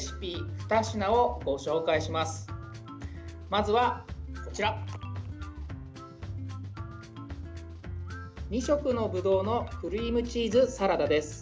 ２色のぶどうのクリームチーズサラダです。